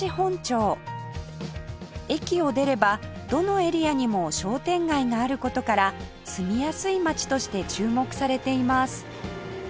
駅を出ればどのエリアにも商店街がある事から住みやすい街として注目されています